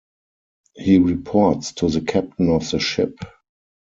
He reports to the captain of the ship.